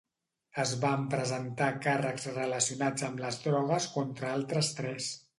Es van presentar càrrecs relacionats amb les drogues contra altres tres.